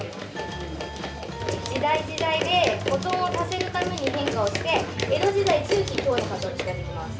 時代時代で保存をさせるために変化をして江戸時代中期に今日のかつおに近づきます。